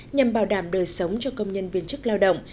nhằm bảo đảm đời sống cho công nhân viên chức lao động